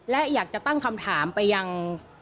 และอยากจะตั้งคำถามไปยัง